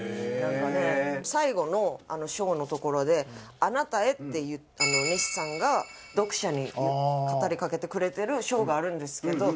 最後の章のところで「あなたへ」っていう西さんが読者に語りかけてくれてる章があるんですけど。